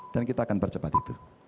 dan kita akan percepat itu